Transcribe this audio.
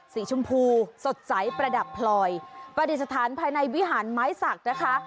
สีชมพูสดใสประดับพลอยประดิษฐานภายในวิหารไม้สักนะคะ